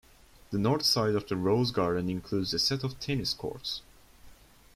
The north side of the Rose Garden includes a set of tennis courts.